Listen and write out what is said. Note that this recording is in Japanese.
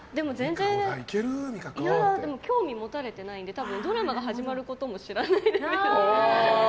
興味を持たれていないので多分、ドラマが始まることも知らないですね。